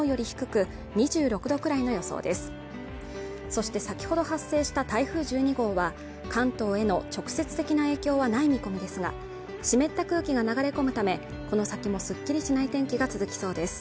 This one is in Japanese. そして先ほど発生した台風１２号は関東への直接的な影響はない見込みですが湿った空気が流れ込むためこの先もすっきりしない天気が続きそうです